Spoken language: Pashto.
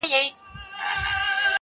o چي ښه، هلته دي شپه٫